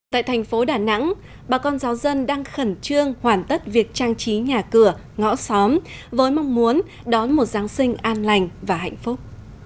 tại thành phố đà nẵng bà con giáo dân đang khẩn trương hoàn tất việc trang trí nhà cửa ngõ xóm với mong muốn đón một giáng sinh an lành và hạnh phúc